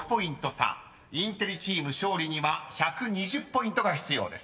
［インテリチーム勝利には１２０ポイントが必要です］